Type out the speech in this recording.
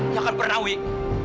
nggak akan pernah wih